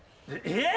えっ？